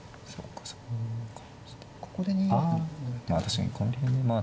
まあ確かにこの辺にまあ。